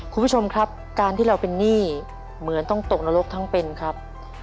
คุณผู้ชมครับการที่เราเป็นหนี้เหมือนต้องตกนรกทั้งเป็นครับ